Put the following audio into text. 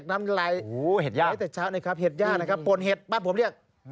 เห็ดย่าหลายแต่เช้านะครับเห็ดย่านะครับโปรดเห็ดบ้านผมเรียก